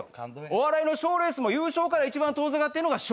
お笑いの賞レースも優勝から一番遠ざかってるのが松竹なんです。